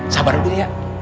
sabar dulu ya